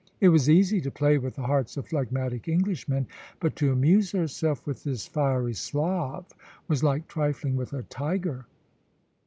It was easy to play with the hearts of phlegmatic Englishmen, but to amuse herself with this fiery Slav was like trifling with a tiger.